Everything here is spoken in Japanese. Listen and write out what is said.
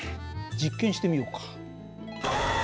実験してみようか。